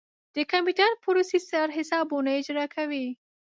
د کمپیوټر پروسیسر حسابونه اجرا کوي.